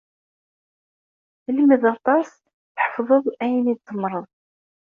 Lmed aṭas, tḥefḍeḍ ayen i tzemreḍ.